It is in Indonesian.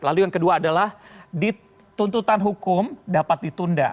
lalu yang kedua adalah dituntutan hukum dapat ditunda